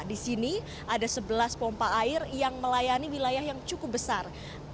di sini ada sebelas pompa air yang melayani wilayah yang cukup besar